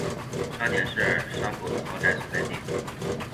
沙点是汉普斯德宅邸等豪宅的所在地。